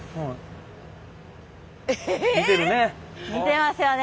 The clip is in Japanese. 似てますよね。